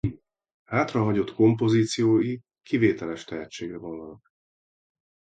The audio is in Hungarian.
Hátrahagyott kompozíciói kivételes tehetségre vallanak.